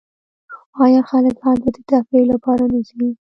آیا خلک هلته د تفریح لپاره نه ځي؟